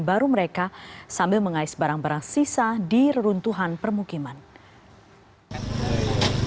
baru mereka sambil mengais barang barang sisa di runtuhan permukiman hai apa uji ubah ini